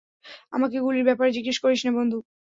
আমাকে গুলির ব্যাপারে জিজ্ঞেস করিস না, বন্ধু।